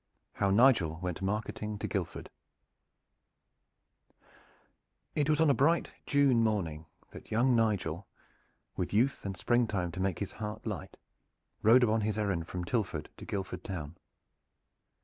HOW NIGEL WENT MARKETING TO GUILDFORD It was on a bright June morning that young Nigel, with youth and springtime to make his heart light, rode upon his errand from Tilford to Guildford town.